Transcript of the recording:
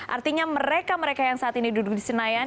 artinya mereka mereka yang saat ini duduk di senayan